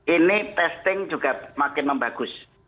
ini testing juga makin membagus